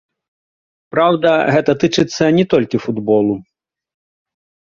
Праўда, гэта тычыцца не толькі футболу.